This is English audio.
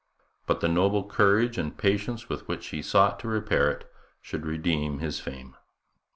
But the noble courage and patience with which he sought to repair it should redeem his fame.